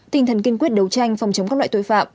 tinh thần kiên quyết đấu tranh phòng chống các loại tội phạm